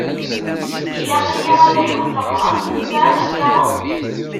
Ilaq-iyi ad aruɣ tabrat. Tesεiḍ lkaɣeḍ?